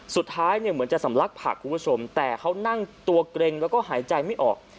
สุดท้ายเนี่ยเหมือนจะสำลักผักคุณผู้ชมแต่เขานั่งตัวเกร็งแล้วก็หายใจไม่ออก